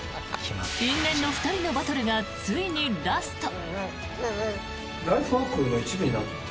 因縁の２人のバトルがついにラスト。